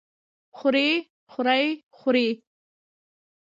خوري خورۍ خورې؟